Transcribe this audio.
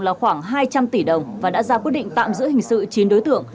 là khoảng hai trăm linh tỷ đồng và đã ra quyết định tạm giữ hình sự chín đối tượng